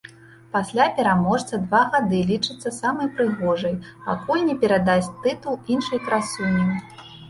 Пасля пераможца два гады лічыцца самай прыгожай, пакуль не перадасць тытул іншай красуні.